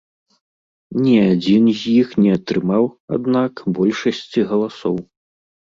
Ні адзін з іх не атрымаў, аднак, большасці галасоў.